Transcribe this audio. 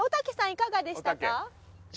いかがでしたか？